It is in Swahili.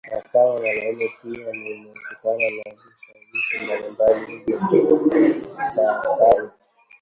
na kama mwanaume pia nimekutana na vishawishi mbalimbali hilo sikatai